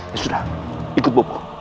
ya sudah ikut bopo